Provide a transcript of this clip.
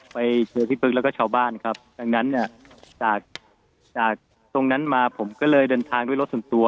ไปเจอพี่ปึกแล้วก็ชาวบ้านครับดังนั้นเนี่ยจากจากตรงนั้นมาผมก็เลยเดินทางด้วยรถส่วนตัว